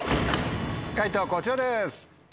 解答こちらです。